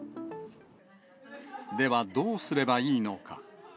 では、どうすればいいのか。